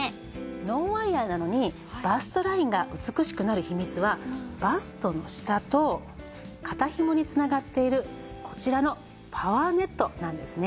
ノンワイヤなのにバストラインが美しくなる秘密はバストの下と肩ひもにつながっているこちらのパワーネットなんですね。